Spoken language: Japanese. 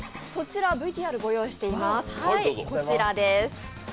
ＶＴＲをご用意しています。